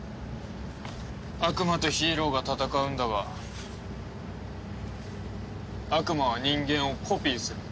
悪魔とヒーローが戦うんだが悪魔は人間をコピーする。